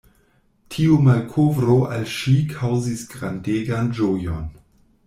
Tiu malkovro al ŝi kaŭzis grandegan ĝojon.